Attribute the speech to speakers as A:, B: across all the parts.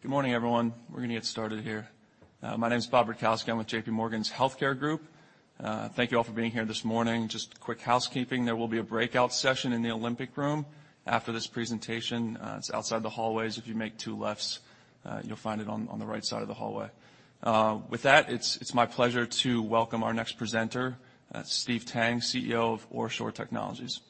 A: Good morning, everyone. We're going to get started here. My name's Bob Rutkowski. I'm with JPMorgan's Healthcare Group. Thank you all for being here this morning. Just quick housekeeping, there will be a breakout session in the Olympic Room after this presentation. It's outside the hallways. If you make two lefts, you'll find it on the right side of the hallway. With that, it's my pleasure to welcome our next presenter, Steve Tang, CEO of OraSure Technologies.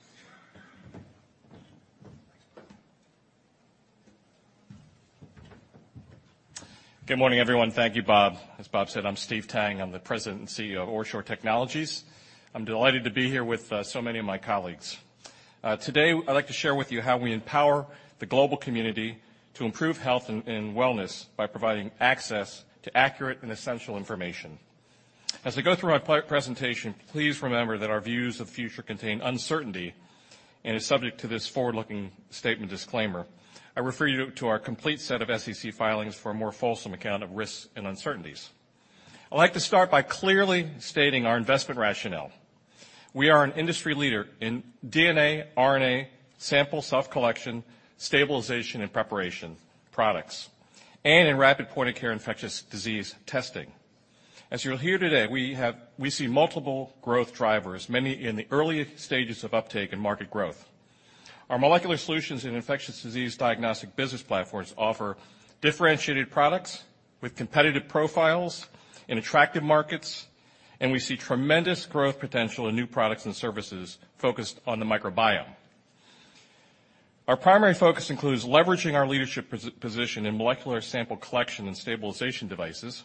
B: Good morning, everyone. Thank you, Bob. As Bob said, I'm Steve Tang. I'm the President and CEO of OraSure Technologies. I'm delighted to be here with so many of my colleagues. Today, I'd like to share with you how we empower the global community to improve health and wellness by providing access to accurate and essential information. As I go through my presentation, please remember that our views of the future contain uncertainty and are subject to this forward-looking statement disclaimer. I refer you to our complete set of SEC filings for a more fulsome account of risks and uncertainties. I'd like to start by clearly stating our investment rationale. We are an industry leader in DNA, RNA, sample self-collection, stabilization, and preparation products, and in rapid point-of-care infectious disease testing. As you'll hear today, we see multiple growth drivers, many in the earliest stages of uptake and market growth. Our molecular solutions and infectious disease diagnostic business platforms offer differentiated products with competitive profiles in attractive markets. We see tremendous growth potential in new products and services focused on the microbiome. Our primary focus includes leveraging our leadership position in molecular sample collection and stabilization devices,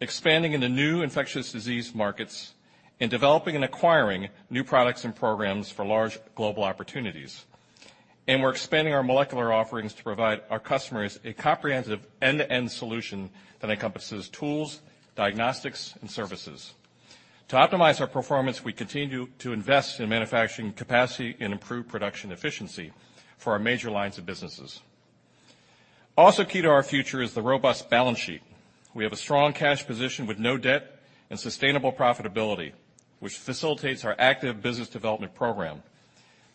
B: expanding into new infectious disease markets, and developing and acquiring new products and programs for large global opportunities. We're expanding our molecular offerings to provide our customers a comprehensive end-to-end solution that encompasses tools, diagnostics, and services. To optimize our performance, we continue to invest in manufacturing capacity and improve production efficiency for our major lines of businesses. Also key to our future is the robust balance sheet. We have a strong cash position with no debt and sustainable profitability, which facilitates our active business development program.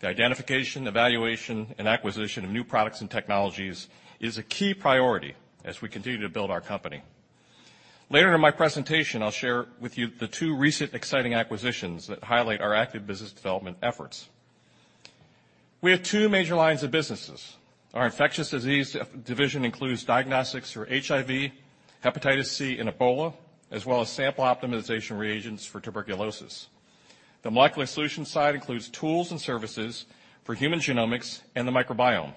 B: The identification, evaluation, and acquisition of new products and technologies is a key priority as we continue to build our company. Later in my presentation, I'll share with you the two recent exciting acquisitions that highlight our active business development efforts. We have two major lines of businesses. Our infectious disease division includes diagnostics for HIV, Hepatitis C, and Ebola, as well as sample optimization reagents for tuberculosis. The molecular solutions side includes tools and services for human genomics and the microbiome.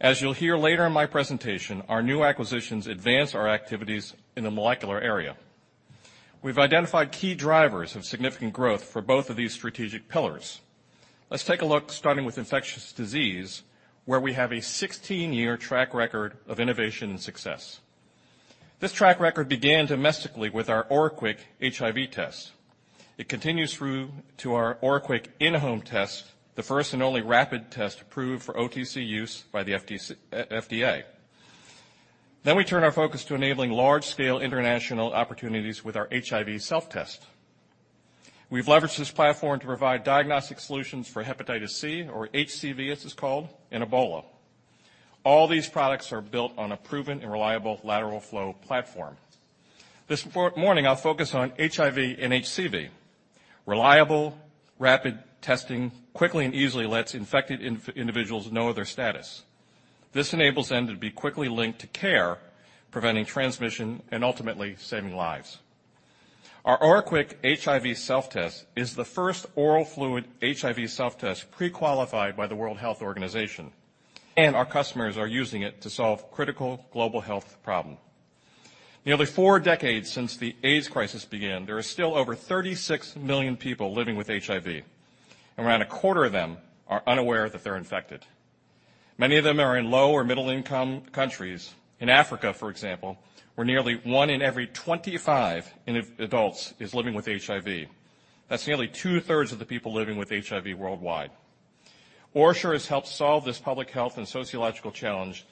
B: As you'll hear later in my presentation, our new acquisitions advance our activities in the molecular area. We've identified key drivers of significant growth for both of these strategic pillars. Let's take a look, starting with infectious disease, where we have a 16-year track record of innovation and success. This track record began domestically with our OraQuick HIV test. It continues through to our OraQuick In-Home HIV Test, the first and only rapid test approved for OTC use by the FDA. We turn our focus to enabling large-scale international opportunities with our HIV Self-Test. We've leveraged this platform to provide diagnostic solutions for Hepatitis C, or HCV as it's called, and Ebola. All these products are built on a proven and reliable lateral flow platform. This morning, I'll focus on HIV and HCV. Reliable, rapid testing quickly and easily lets infected individuals know their status. This enables them to be quickly linked to care, preventing transmission and ultimately saving lives. Our OraQuick HIV Self-Test is the first oral fluid HIV Self-Test pre-qualified by the World Health Organization, and our customers are using it to solve critical global health problems. Nearly four decades since the AIDS crisis began, there are still over 36 million people living with HIV, and around a quarter of them are unaware that they're infected. Many of them are in low or middle income countries. In Africa, for example, where nearly one in every 25 adults is living with HIV. That's nearly two-thirds of the people living with HIV worldwide. OraSure has helped solve this public health and sociological challenge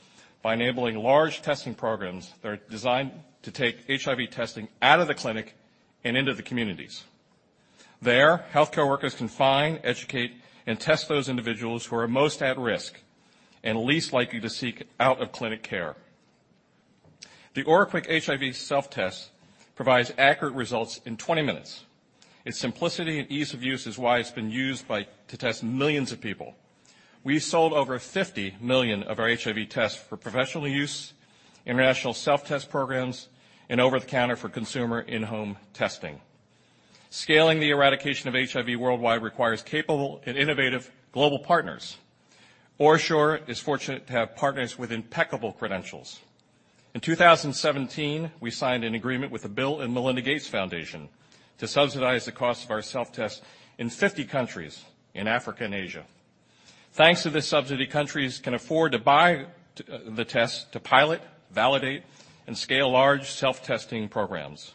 B: by enabling large testing programs that are designed to take HIV testing out of the clinic and into the communities. There, healthcare workers can find, educate, and test those individuals who are most at risk and least likely to seek out-of-clinic care. The OraQuick HIV Self-Test provides accurate results in 20 minutes. Its simplicity and ease of use is why it's been used to test millions of people. We've sold over 50 million of our HIV tests for professional use, international Self-Test programs, and over-the-counter for consumer in-home testing. Scaling the eradication of HIV worldwide requires capable and innovative global partners. OraSure is fortunate to have partners with impeccable credentials. In 2017, we signed an agreement with the Bill and Melinda Gates Foundation to subsidize the cost of our Self-Test in 50 countries in Africa and Asia. Thanks to this subsidy, countries can afford to buy the test to pilot, validate, and scale large self-testing programs.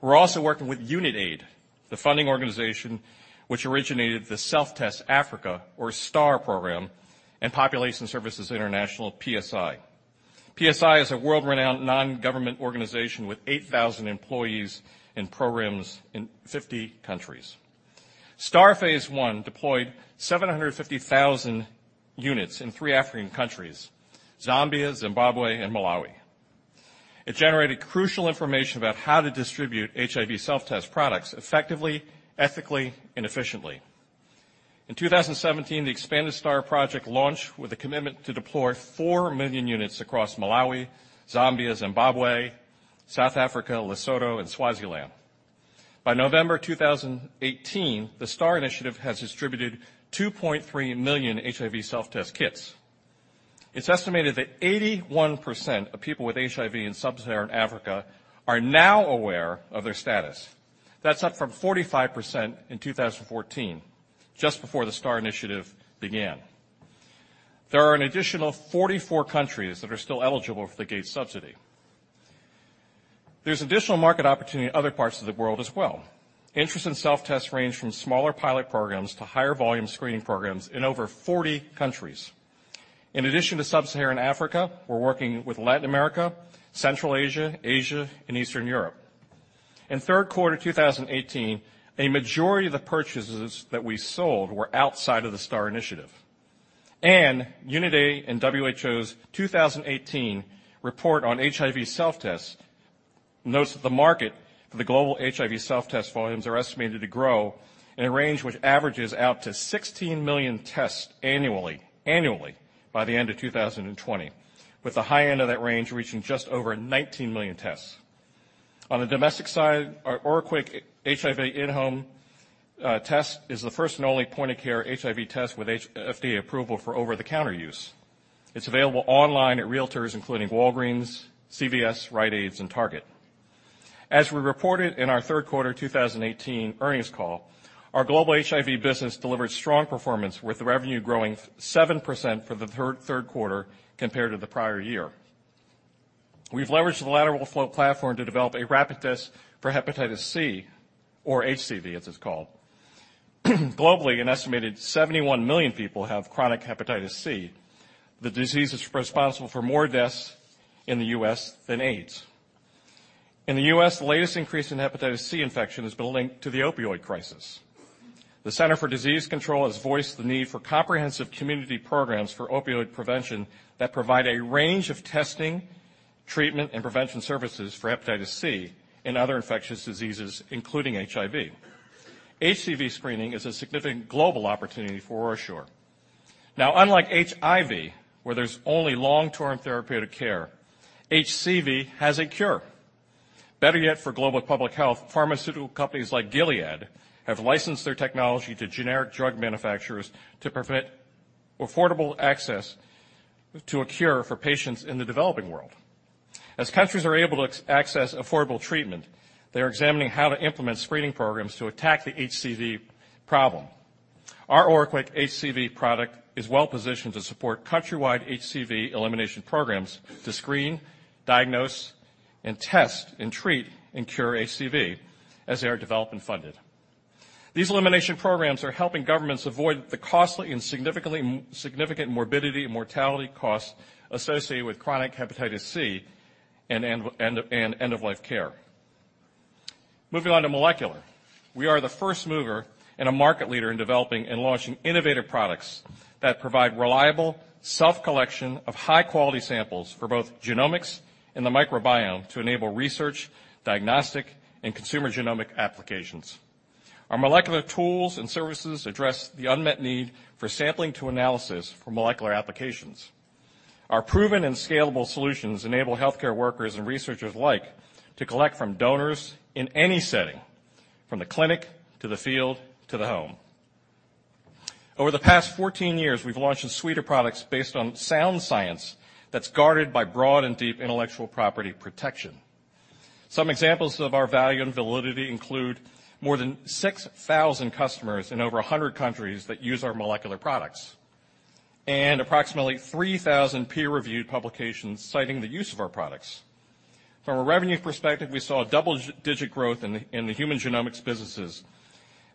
B: We're also working with Unitaid, the funding organization which originated the Self-Testing Africa, or STAR program, and Population Services International, PSI. PSI is a world-renowned non-government organization with 8,000 employees and programs in 50 countries. STAR phase I deployed 750,000 units in three African countries, Zambia, Zimbabwe, and Malawi. It generated crucial information about how to distribute HIV Self-Test products effectively, ethically, and efficiently. In 2017, the expanded STAR project launched with a commitment to deploy 4 million units across Malawi, Zambia, Zimbabwe, South Africa, Lesotho, and Swaziland. By November 2018, the STAR Initiative has distributed 2.3 million HIV Self-Test kits. It's estimated that 81% of people with HIV in sub-Saharan Africa are now aware of their status. That's up from 45% in 2014, just before the STAR Initiative began. There are an additional 44 countries that are still eligible for the Gates subsidy. There's additional market opportunity in other parts of the world as well. Interest in self-tests range from smaller pilot programs to higher volume screening programs in over 40 countries. In addition to sub-Saharan Africa, we're working with Latin America, Central Asia, and Eastern Europe. In third quarter 2018, a majority of the purchases that we sold were outside of the STAR Initiative. Unitaid and WHO's 2018 report on HIV self-tests notes that the market for the global HIV self-test volumes are estimated to grow in a range which averages out to 16 million tests annually by the end of 2020, with the high end of that range reaching just over 19 million tests. On the domestic side, our OraQuick In-Home HIV Test is the first and only point-of-care HIV test with FDA approval for over-the-counter use. It's available online at retailers including Walgreens, CVS, Rite Aid, and Target. As we reported in our third quarter 2018 earnings call, our global HIV business delivered strong performance, with revenue growing 7% for the third quarter compared to the prior year. We've leveraged the lateral flow platform to develop a rapid test for Hepatitis C, or HCV, as it's called. Globally, an estimated 71 million people have chronic Hepatitis C. The disease is responsible for more deaths in the U.S. than AIDS. In the U.S., the latest increase in Hepatitis C infection has been linked to the opioid crisis. The Centers for Disease Control has voiced the need for comprehensive community programs for opioid prevention that provide a range of testing, treatment, and prevention services for Hepatitis C and other infectious diseases, including HIV. HCV screening is a significant global opportunity for OraSure. Unlike HIV, where there's only long-term therapeutic care, HCV has a cure. Better yet for global public health, pharmaceutical companies like Gilead have licensed their technology to generic drug manufacturers to prevent affordable access to a cure for patients in the developing world. As countries are able to access affordable treatment, they're examining how to implement screening programs to attack the HCV problem. Our OraQuick HCV product is well-positioned to support countrywide HCV elimination programs to screen, diagnose, and test and treat and cure HCV as they are developed and funded. These elimination programs are helping governments avoid the costly and significant morbidity and mortality costs associated with chronic Hepatitis C and end-of-life care. Moving on to molecular. We are the first mover and a market leader in developing and launching innovative products that provide reliable self-collection of high-quality samples for both genomics and the microbiome to enable research, diagnostic, and consumer genomic applications. Our molecular tools and services address the unmet need for sampling to analysis for molecular applications. Our proven and scalable solutions enable healthcare workers and researchers alike to collect from donors in any setting, from the clinic to the field to the home. Over the past 14 years, we've launched a suite of products based on sound science that's guarded by broad and deep intellectual property protection. Some examples of our value and validity include more than 6,000 customers in over 100 countries that use our molecular products and approximately 3,000 peer-reviewed publications citing the use of our products. From a revenue perspective, we saw double-digit growth in the human genomics businesses,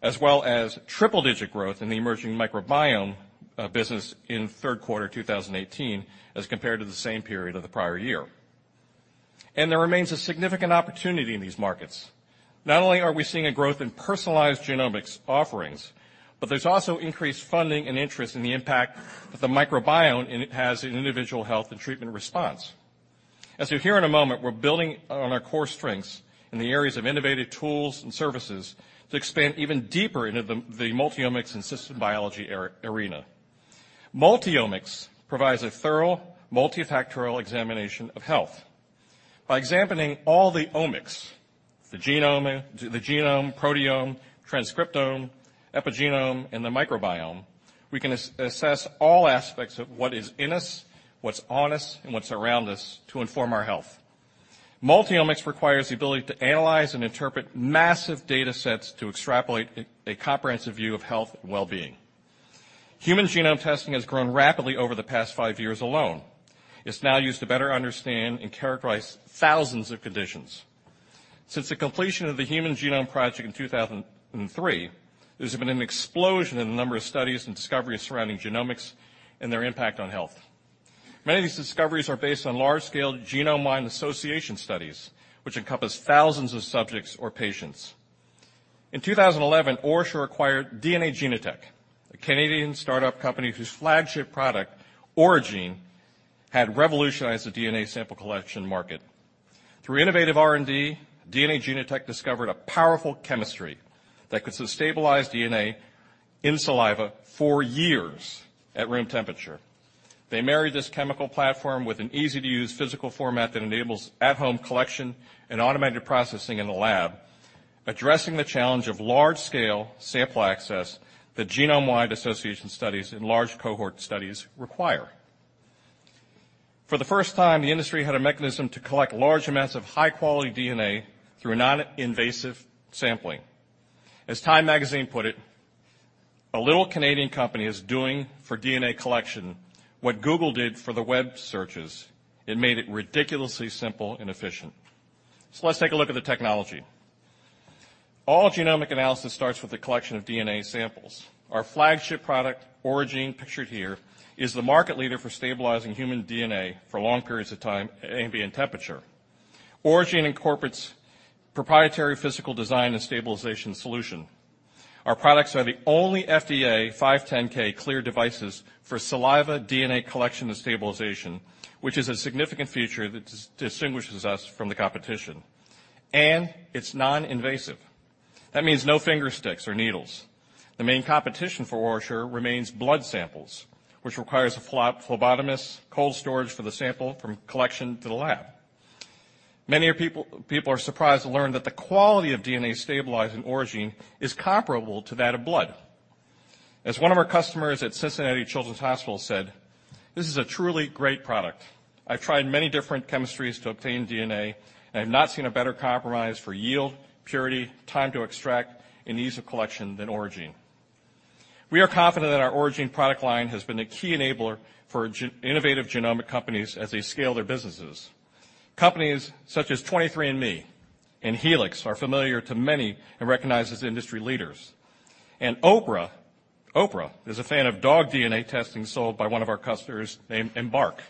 B: as well as triple-digit growth in the emerging microbiome business in third quarter 2018 as compared to the same period of the prior year. There remains a significant opportunity in these markets. Not only are we seeing a growth in personalized genomics offerings, there's also increased funding and interest in the impact that the microbiome has in individual health and treatment response. As you'll hear in a moment, we're building on our core strengths in the areas of innovative tools and services to expand even deeper into the multi-omics and systems biology arena. Multi-omics provides a thorough, multifactorial examination of health. By examining all the omics, the genome, proteome, transcriptome, epigenome, and the microbiome, we can assess all aspects of what is in us, what's on us, and what's around us to inform our health. Multi-omics requires the ability to analyze and interpret massive data sets to extrapolate a comprehensive view of health and well-being. Human genome testing has grown rapidly over the past five years alone. It's now used to better understand and characterize thousands of conditions. Since the completion of the Human Genome Project in 2003, there's been an explosion in the number of studies and discoveries surrounding genomics and their impact on health. Many of these discoveries are based on large-scale genome-wide association studies, which encompass thousands of subjects or patients. In 2011, OraSure acquired DNA Genotek, a Canadian startup company whose flagship product, Oragene, had revolutionized the DNA sample collection market. Through innovative R&D, DNA Genotek discovered a powerful chemistry that could stabilize DNA in saliva for years at room temperature. They married this chemical platform with an easy-to-use physical format that enables at-home collection and automated processing in the lab, addressing the challenge of large-scale sample access that genome-wide association studies and large cohort studies require. For the first time, the industry had a mechanism to collect large amounts of high-quality DNA through non-invasive sampling. As Time Magazine put it, "A little Canadian company is doing for DNA collection what Google did for the web searches. It made it ridiculously simple and efficient." Let's take a look at the technology. All genomic analysis starts with the collection of DNA samples. Our flagship product, Oragene, pictured here, is the market leader for stabilizing human DNA for long periods of time at ambient temperature. Oragene incorporates proprietary physical design and stabilization solution. Our products are the only FDA 510(k) cleared devices for saliva DNA collection and stabilization, which is a significant feature that distinguishes us from the competition, and it's non-invasive. That means no finger sticks or needles. The main competition for OraSure remains blood samples, which requires a phlebotomist cold storage for the sample from collection to the lab. Many people are surprised to learn that the quality of DNA stabilized in Oragene is comparable to that of blood. As one of our customers at Cincinnati Children's Hospital said, "This is a truly great product. I've tried many different chemistries to obtain DNA, and I've not seen a better compromise for yield, purity, time to extract, and ease of collection than Oragene." We are confident that our Oragene product line has been a key enabler for innovative genomic companies as they scale their businesses. Companies such as 23andMe and Helix are familiar to many and recognized as industry leaders. Oprah is a fan of dog DNA testing sold by one of our customers named Embark.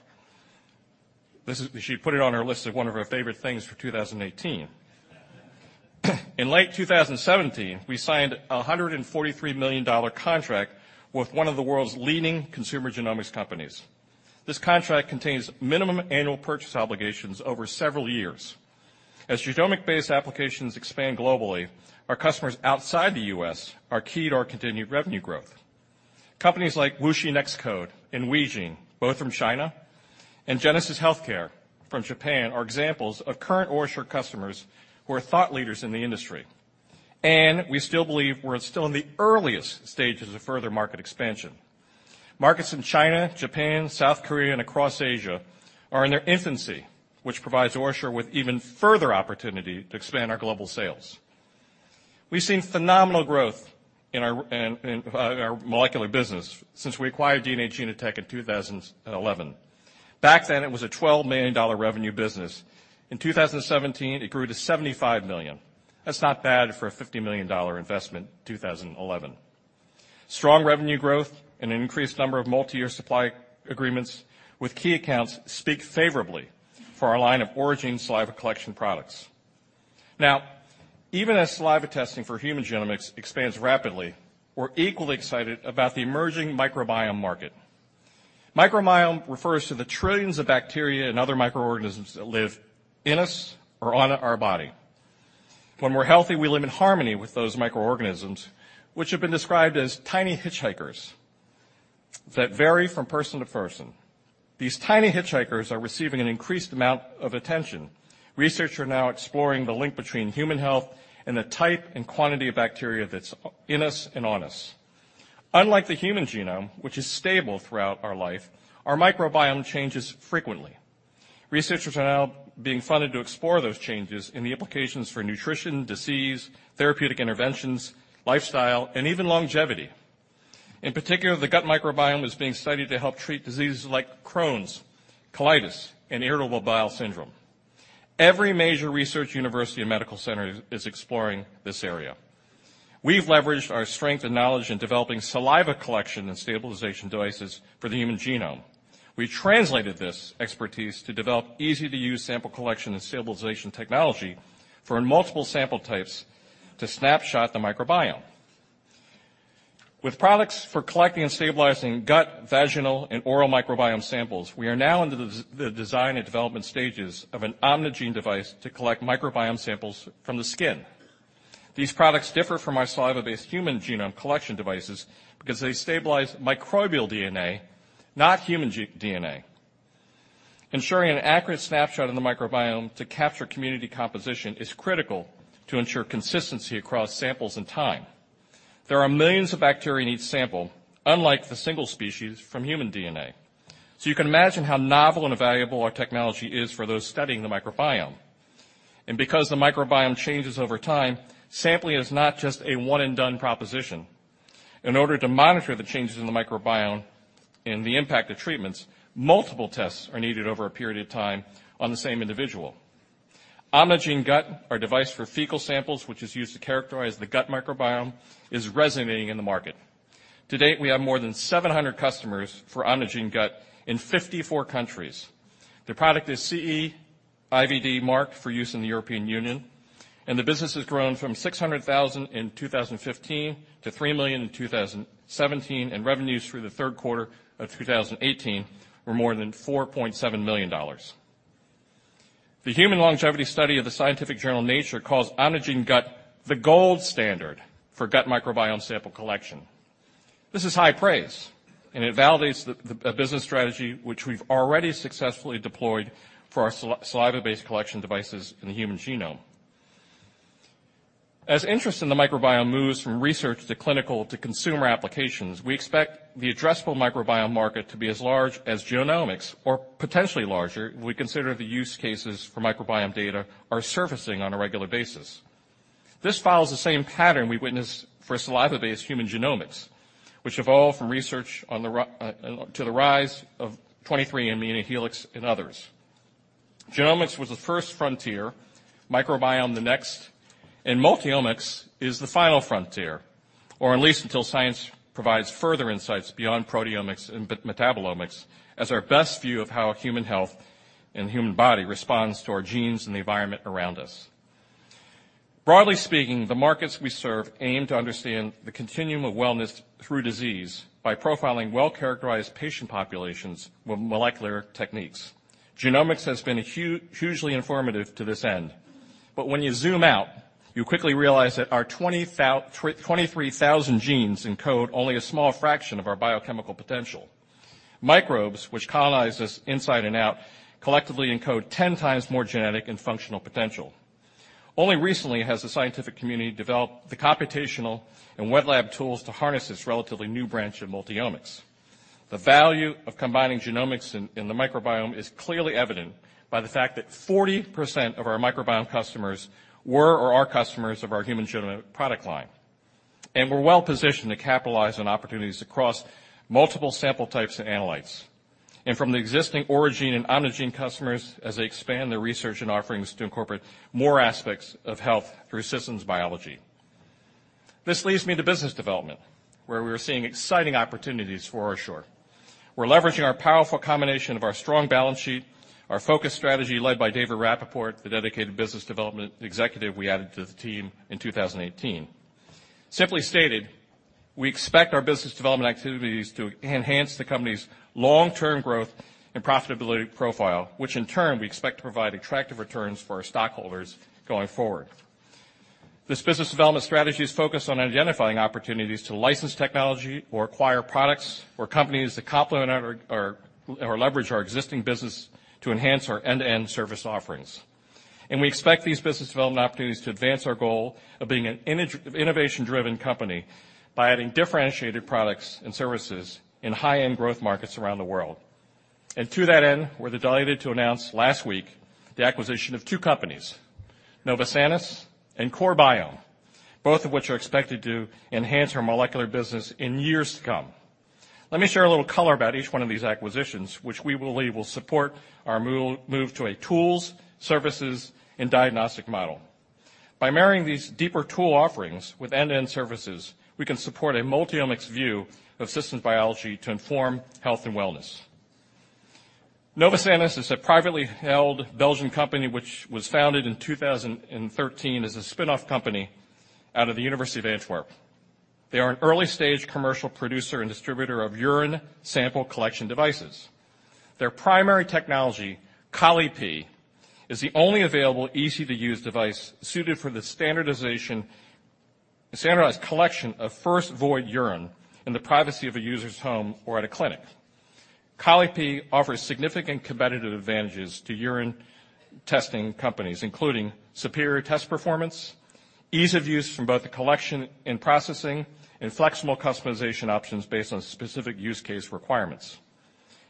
B: She put it on her list of one of her favorite things for 2018. In late 2017, we signed a $143 million contract with one of the world's leading consumer genomics companies. This contract contains minimum annual purchase obligations over several years. As genomic-based applications expand globally, our customers outside the U.S. are key to our continued revenue growth. Companies like WuXi NextCODE and WeGene, both from China, and Genesis Healthcare from Japan are examples of current OraSure customers who are thought leaders in the industry. We still believe we're still in the earliest stages of further market expansion. Markets in China, Japan, South Korea, and across Asia are in their infancy, which provides OraSure with even further opportunity to expand our global sales. We've seen phenomenal growth in our molecular business since we acquired DNA Genotek in 2011. Back then, it was a $12 million revenue business. In 2017, it grew to $75 million. That's not bad for a $50 million investment in 2011. Strong revenue growth and an increased number of multi-year supply agreements with key accounts speak favorably for our line of Oragene saliva collection products. Now, even as saliva testing for human genomics expands rapidly, we're equally excited about the emerging microbiome market. Microbiome refers to the trillions of bacteria and other microorganisms that live in us or on our body. When we're healthy, we live in harmony with those microorganisms, which have been described as tiny hitchhikers that vary from person to person. These tiny hitchhikers are receiving an increased amount of attention. Researchers are now exploring the link between human health and the type and quantity of bacteria that's in us and on us. Unlike the human genome, which is stable throughout our life, our microbiome changes frequently. Researchers are now being funded to explore those changes and the implications for nutrition, disease, therapeutic interventions, lifestyle, and even longevity. In particular, the gut microbiome is being studied to help treat diseases like Crohn's, colitis, and irritable bowel syndrome. Every major research university and medical center is exploring this area. We've leveraged our strength and knowledge in developing saliva collection and stabilization devices for the human genome. We translated this expertise to develop easy-to-use sample collection and stabilization technology for multiple sample types to snapshot the microbiome. With products for collecting and stabilizing gut, vaginal, and oral microbiome samples, we are now into the design and development stages of an OMNIgene device to collect microbiome samples from the skin. These products differ from our saliva-based human genome collection devices because they stabilize microbial DNA, not human DNA. Ensuring an accurate snapshot of the microbiome to capture community composition is critical to ensure consistency across samples and time. There are millions of bacteria in each sample, unlike the single species from human DNA. You can imagine how novel and valuable our technology is for those studying the microbiome. Because the microbiome changes over time, sampling is not just a one-and-done proposition. In order to monitor the changes in the microbiome and the impact of treatments, multiple tests are needed over a period of time on the same individual. OMNIgene•GUT, our device for fecal samples, which is used to characterize the gut microbiome, is resonating in the market. To date, we have more than 700 customers for OMNIgene•GUT in 54 countries. The product is CE IVD marked for use in the European Union, and the business has grown from $600,000 in 2015 to $3 million in 2017, and revenues through the third quarter of 2018 were more than $4.7 million. The human longevity study of the scientific journal, Nature, calls OMNIgene•GUT, "The gold standard for gut microbiome sample collection." This is high praise, and it validates a business strategy which we've already successfully deployed for our saliva-based collection devices in the human genome. As interest in the microbiome moves from research to clinical to consumer applications, we expect the addressable microbiome market to be as large as genomics or potentially larger. We consider the use cases for microbiome data are surfacing on a regular basis. This follows the same pattern we witnessed for saliva-based human genomics, which evolved from research to the rise of 23andMe and Helix and others. Genomics was the first frontier, microbiome the next. Multi-omics is the final frontier, or at least until science provides further insights beyond proteomics and metabolomics as our best view of how human health and the human body responds to our genes and the environment around us. Broadly speaking, the markets we serve aim to understand the continuum of wellness through disease by profiling well-characterized patient populations with molecular techniques. Genomics has been hugely informative to this end. When you zoom out, you quickly realize that our 23,000 genes encode only a small fraction of our biochemical potential. Microbes, which colonize us inside and out, collectively encode 10 times more genetic and functional potential. Only recently has the scientific community developed the computational and wet lab tools to harness this relatively new branch of multi-omics. The value of combining genomics in the microbiome is clearly evident by the fact that 40% of our microbiome customers were or are customers of our human genomic product line. We're well-positioned to capitalize on opportunities across multiple sample types and analytes, and from the existing Oragene and OMNIgene customers as they expand their research and offerings to incorporate more aspects of health through systems biology. This leads me to business development, where we are seeing exciting opportunities for OraSure. We're leveraging our powerful combination of our strong balance sheet, our focus strategy led by David Rappaport, the dedicated business development executive we added to the team in 2018. Simply stated, we expect our business development activities to enhance the company's long-term growth and profitability profile, which in turn we expect to provide attractive returns for our stockholders going forward. This business development strategy is focused on identifying opportunities to license technology or acquire products or companies that complement or leverage our existing business to enhance our end-to-end service offerings. We expect these business development opportunities to advance our goal of being an innovation-driven company by adding differentiated products and services in high-end growth markets around the world. To that end, we're delighted to announce last week the acquisition of two companies, Novosanis and CoreBiome, both of which are expected to enhance our molecular business in years to come. Let me share a little color about each one of these acquisitions, which we believe will support our move to a tools, services, and diagnostic model. By marrying these deeper tool offerings with end-to-end services, we can support a multi-omics view of systems biology to inform health and wellness. Novosanis is a privately held Belgian company which was founded in 2013 as a spinoff company out of the University of Antwerp. They are an early-stage commercial producer and distributor of urine sample collection devices. Their primary technology, Colli-Pee, is the only available easy-to-use device suited for the standardized collection of first-void urine in the privacy of a user's home or at a clinic. Colli-Pee offers significant competitive advantages to urine testing companies, including superior test performance, ease of use from both the collection and processing, and flexible customization options based on specific use case requirements.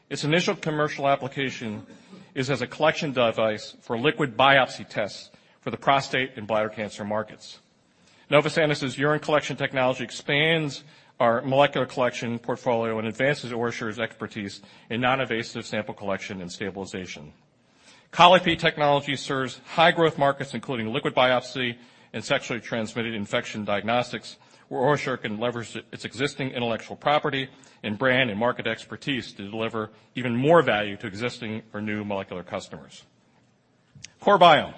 B: Its initial commercial application is as a collection device for liquid biopsy tests for the prostate and bladder cancer markets. Novosanis' urine collection technology expands our molecular collection portfolio and advances OraSure's expertise in non-invasive sample collection and stabilization. Colli-Pee technology serves high-growth markets, including liquid biopsy and sexually transmitted infection diagnostics, where OraSure can leverage its existing intellectual property and brand and market expertise to deliver even more value to existing or new molecular customers. CoreBiome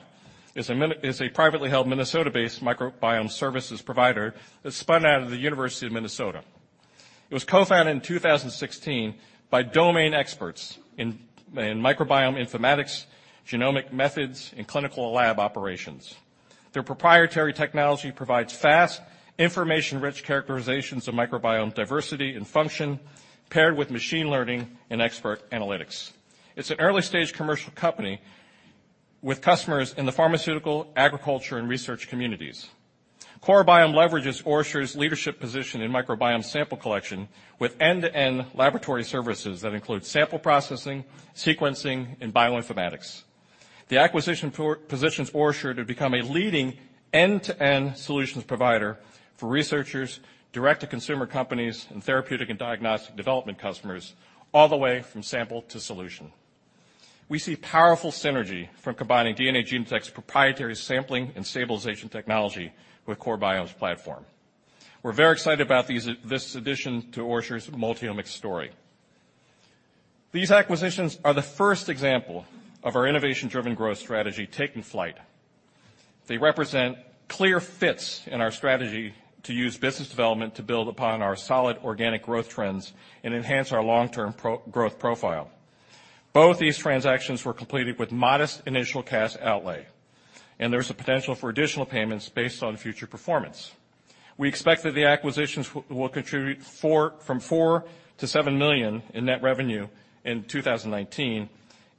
B: is a privately held Minnesota-based microbiome services provider that spun out of the University of Minnesota. It was co-founded in 2016 by domain experts in microbiome informatics, genomic methods, and clinical lab operations. Their proprietary technology provides fast, information-rich characterizations of microbiome diversity and function, paired with machine learning and expert analytics. It's an early-stage commercial company with customers in the pharmaceutical, agriculture, and research communities. CoreBiome leverages OraSure's leadership position in microbiome sample collection with end-to-end laboratory services that include sample processing, sequencing, and bioinformatics. The acquisition positions OraSure to become a leading end-to-end solutions provider for researchers, direct-to-consumer companies, and therapeutic and diagnostic development customers all the way from sample to solution. We see powerful synergy from combining DNA Genotek's proprietary sampling and stabilization technology with CoreBiome's platform. We're very excited about this addition to OraSure's multi-omics story. These acquisitions are the first example of our innovation-driven growth strategy taking flight. They represent clear fits in our strategy to use business development to build upon our solid organic growth trends and enhance our long-term growth profile. Both these transactions were completed with modest initial cash outlay, and there's a potential for additional payments based on future performance. We expect that the acquisitions will contribute from $4 million-$7 million in net revenue in 2019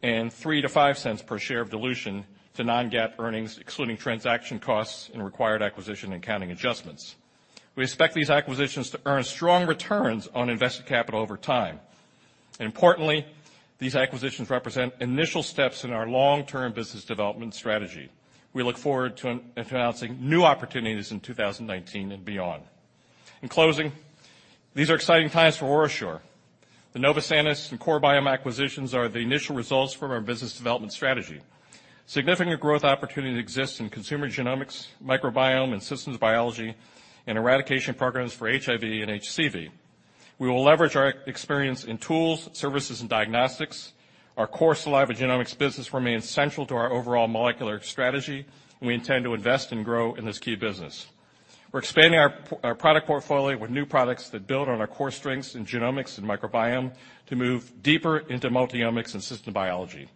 B: and $0.03-$0.05 per share of dilution to non-GAAP earnings, excluding transaction costs and required acquisition and accounting adjustments. We expect these acquisitions to earn strong returns on invested capital over time. Importantly, these acquisitions represent initial steps in our long-term business development strategy. We look forward to announcing new opportunities in 2019 and beyond. In closing, these are exciting times for OraSure. The Novosanis and CoreBiome acquisitions are the initial results from our business development strategy. Significant growth opportunity exists in consumer genomics, microbiome and systems biology, and eradication programs for HIV and HCV. We will leverage our experience in tools, services, and diagnostics. Our core saliva genomics business remains central to our overall molecular strategy, and we intend to invest and grow in this key business. We're expanding our product portfolio with new products that build on our core strengths in genomics and microbiome to move deeper into multi-omics and systems biology.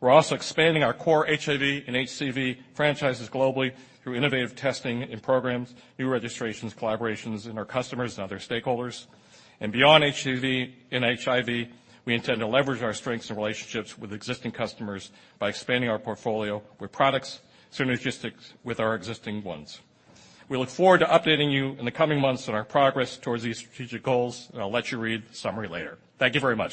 B: We're also expanding our core HIV and HCV franchises globally through innovative testing and programs, new registrations, collaborations in our customers and other stakeholders. Beyond HCV and HIV, we intend to leverage our strengths and relationships with existing customers by expanding our portfolio with products synergistic with our existing ones. We look forward to updating you in the coming months on our progress towards these strategic goals, I'll let you read the summary later. Thank you very much.